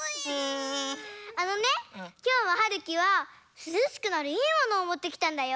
あのねきょうははるきはすずしくなるいいものをもってきたんだよ。